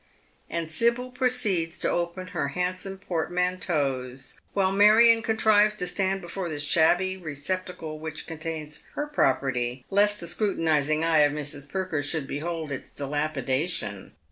And Sibyl proceeds to open her handsome portmanteaus, while Marion contrives to stand before the shabby receptacle which contains her property, lest the scrutinizing eye of Mis. Perker should behold its dilapidation.